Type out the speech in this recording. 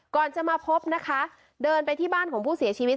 ก่อนจะมาพบนะคะเดินไปที่บ้านของผู้เสียชีวิต